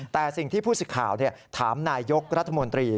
แต่สิ่งที่ผู้สิทธิ์ข่าวถามนายยกรัฐมนตรี